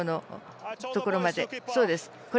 そうです。